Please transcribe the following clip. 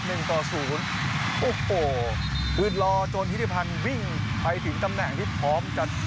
หนึ่งต่อศูนย์โอ้โหยืนรอจนฮิริพันธ์วิ่งไปถึงตำแหน่งที่พร้อมจะ